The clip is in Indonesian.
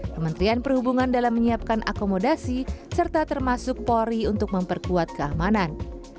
kementerian perhubungan dalam menyiapkan akomodasi serta termasuk polri untuk memperkuat keamanan